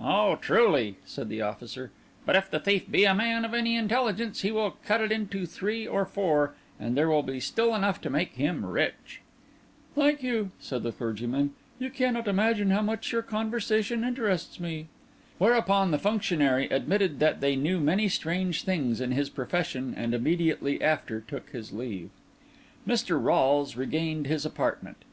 "Oh, truly!" said the officer; "but if the thief be a man of any intelligence, he will cut it into three or four, and there will be still enough to make him rich." "Thank you," said the clergyman. "You cannot imagine how much your conversation interests me." Whereupon the functionary admitted that they knew many strange things in his profession, and immediately after took his leave. Mr. Rolles regained his apartment.